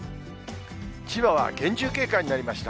千葉は厳重警戒になりました。